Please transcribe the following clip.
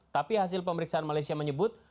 tapi hasil pemeriksaan malaysia menyebut